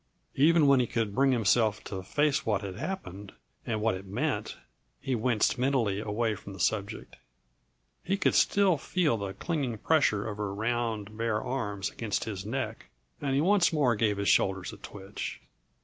Even when he could bring himself to face what had happened and what it meant, he winced mentally away from the subject. He could still feel the clinging pressure of her round, bare arms against his neck, and he once more gave his shoulders a twitch.